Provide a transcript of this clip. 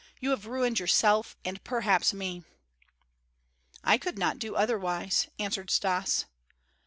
"You have ruined yourself and perhaps me." "I could not do otherwise," answered Stas.